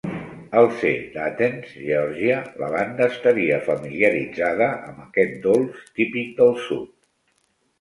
Al ser d'Athens, Georgia, la banda estaria familiaritzada amb aquest dolç típic del sud.